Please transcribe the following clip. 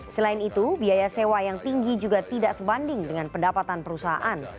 selain itu biaya sewa yang tinggi juga tidak sebanding dengan pendapatan perusahaan